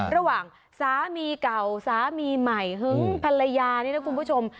ระหว่างสามีเก่าสามีใหม่หึงภรรยานี่นะคุณผู้ชม